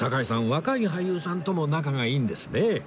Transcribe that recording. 若い俳優さんとも仲がいいんですね